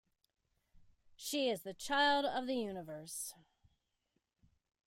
She is the child of the universe.